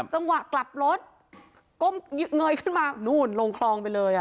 จังหวะกลับรถก้มเงยขึ้นมานู่นลงคลองไปเลย